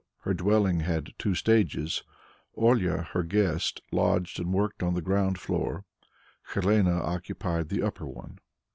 Her dwelling had two stages; Olia, her guest, lodged and worked on the ground floor; Helene occupied the upper one.